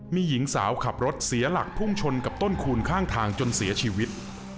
มีหญิงสาวขับรถเสียหลักพุ่งชนกับต้นคูณข้างทางจนเสียชีวิต